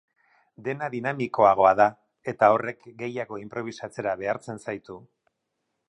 Dena dinamikoagoa da eta horrek gehiago inprobisatzera behartzen zaitu.